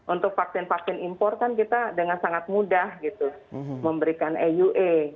untuk vaksin vaksin impor kan kita dengan sangat mudah gitu memberikan aua